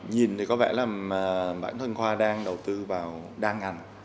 nhìn thì có vẻ là bản thân khoa đang đầu tư vào đa ngành